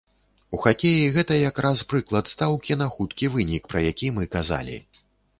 У хакеі гэта як раз прыклад стаўкі на хуткі вынік, пра які мы казалі.